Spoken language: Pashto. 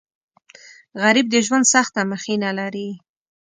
غریب د ژوند سخته مخینه لري